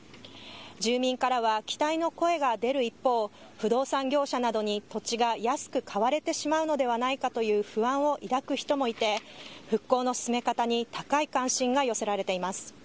住民からは期待の声が出る一方、不動産業者などに土地が安く買われてしまうのではないかという不安を抱く人もいて、復興の進め方に高い関心が寄せられています。